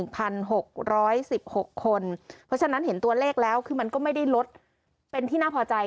เพราะฉะนั้นเห็นตัวเลขแล้วคือมันก็ไม่ได้ลดเป็นที่น่าพอใจ